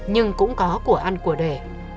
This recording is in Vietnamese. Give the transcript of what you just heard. nhưng cũng có của ăn của đẻ